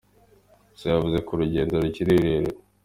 Gusa yavuze ko urugendo rukiri rurerure.